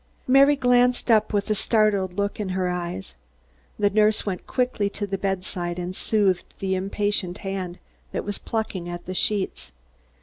Mary glanced up with a startled look in her eyes. The nurse went quickly to the bedside and soothed the impatient hand that was plucking at the sheets.